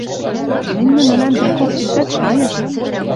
«Тӹнь нӹнӹлӓн викок итӓт шайышт